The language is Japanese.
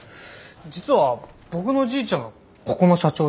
実は僕のじいちゃんがここの社長で。